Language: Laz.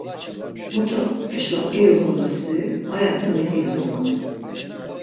Muç̆o eşo irixolo steri ayati mek̆ilasunon.